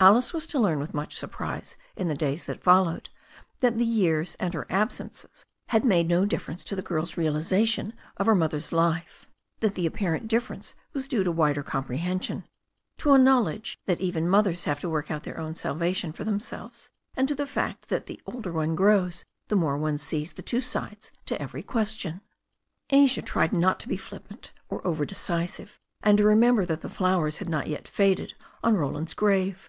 Alice was to learn with much surprise in the days that followed that the years and her absences had made no difference to the girl's realization of her mother's life, that the apparent difference was due to wider comprehension, to a knowledge that even mothers have to work out their own salvation for themselves, and to the fact that the older one grows the more one sees the two sides to every question. Asia tried not to be flippant or over decisive, and to re member that the flowers had not yet faded on Rolaad'$ grave.